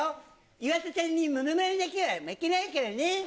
岩田ちゃんにものまねだけは負けないからね。